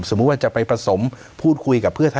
ว่าจะไปผสมพูดคุยกับเพื่อไทย